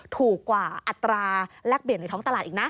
ถูกกว่าอัตราแลกเปลี่ยนในท้องตลาดอีกนะ